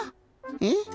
えっ？